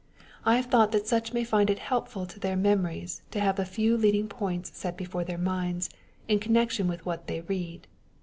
I have thought that such may find it helpful to their memories to have a few leading points set before their minds, in connection with what they read.